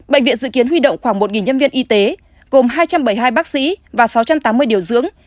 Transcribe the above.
bệnh viện dự kiến huy động khoảng một nhân viên y tế gồm hai trăm bảy mươi hai bác sĩ và sáu trăm tám mươi điều dưỡng